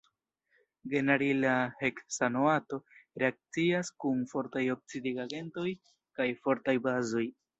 Geranila heksanoato reakcias kun fortaj oksidigagentoj kaj fortaj bazoj.